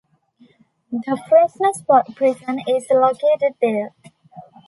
The Fresnes Prison is located there.